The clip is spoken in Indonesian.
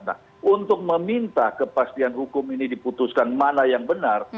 nah untuk meminta kepastian hukum ini diputuskan mana yang benar